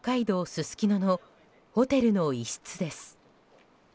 すすきののホテルの一室です。